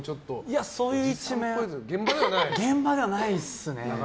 そういう一面現場ではないですね。